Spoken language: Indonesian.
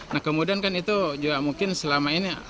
nah kemudian kan itu juga mungkin selama ini